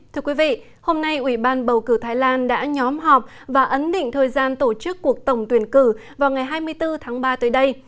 thưa quý vị hôm nay ủy ban bầu cử thái lan đã nhóm họp và ấn định thời gian tổ chức cuộc tổng tuyển cử vào ngày hai mươi bốn tháng ba tới đây